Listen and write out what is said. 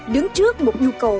đứng trước một nhu cầu